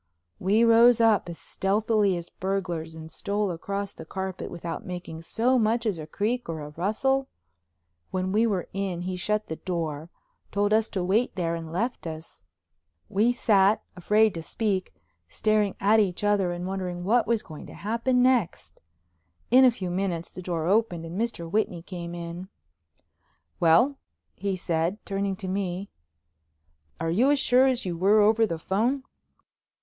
We rose up as stealthily as burglars and stole across the carpet without making so much as a creak or a rustle. When we were in he shut the door, told us to wait there, and left us. We sat, afraid to speak, staring at each other and wondering what was going to happen next. In a few minutes the door opened and Mr. Whitney came in. "Well?" he said, turning to me, "are you as sure as you were over the phone?"